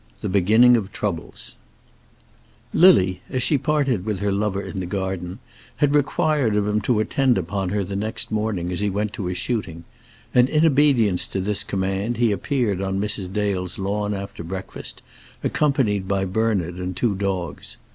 THE BEGINNING OF TROUBLES. [ILLUSTRATION: (untitled)] Lily, as she parted with her lover in the garden, had required of him to attend upon her the next morning as he went to his shooting, and in obedience to this command he appeared on Mrs. Dale's lawn after breakfast, accompanied by Bernard and two dogs.